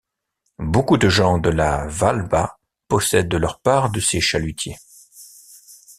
Beaucoup de gens de Hvalba possède leur part de ces chalutiers.